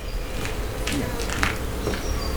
私人醒